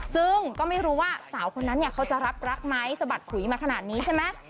ซึ่งก็ไม่รู้ว่าสาวคนนั้นเนี่ยเขาจะรับรักไหมสะบัดขุยมาขนาดนี้ใช่ไหม